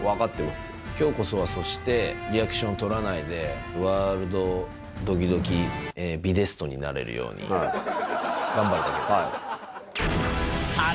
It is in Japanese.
きょうこそはそしてリアクション取らないで、ワールドドキドキビデストになれるように頑張るだけです。